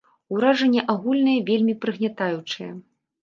Уражанне агульнае вельмі прыгнятаючае.